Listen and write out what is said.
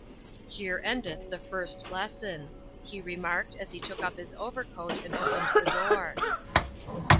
" Here endeth the first lesson," he remarked as he took up his overcoat and opened the door.